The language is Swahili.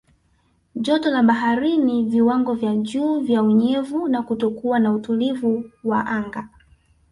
Joto la baharini viwango vya juu vya unyevu na kutokuwa na utulivu wa anga